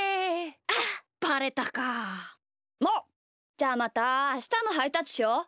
じゃあまたあしたもハイタッチしよう。